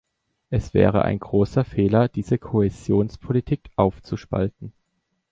Es wäre ein großer Fehler, diese Kohäsionspolitik aufzuspalten.